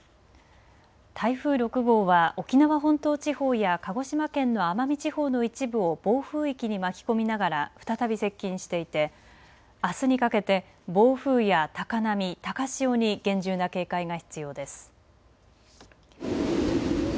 台風６号は沖縄本島地方や鹿児島県の奄美地方の一部を暴風域に巻き込みながら再び接近していてあすにかけて暴風や高波、高潮に厳重な警戒が必要です。